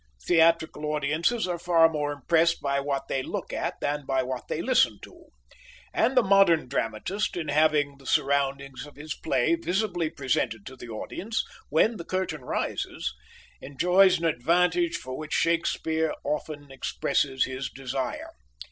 Theatrical audiences are far more impressed by what they look at than by what they listen to; and the modern dramatist, in having the surroundings of his play visibly presented to the audience when the curtain rises, enjoys an advantage for which Shakespeare often expresses his desire.